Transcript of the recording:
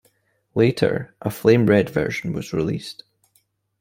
Later, a Flame Red version was released.